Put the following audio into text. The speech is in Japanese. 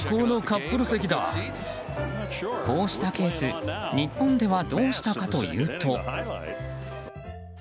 こうしたケース日本ではどうしたかというと。